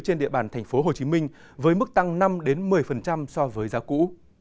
trên địa bàn tp hcm với mức tăng năm một mươi so với giá cũ